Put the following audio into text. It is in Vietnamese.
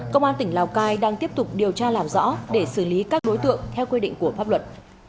công an tỉnh lào cai đang tiếp tục điều tra làm rõ để xử lý các đối tượng theo quy định của pháp luật